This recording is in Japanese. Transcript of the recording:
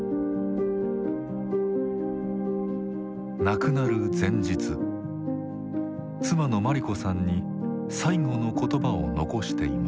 亡くなる前日妻の末利子さんに最期の言葉を残していました。